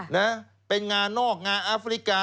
หนาอีก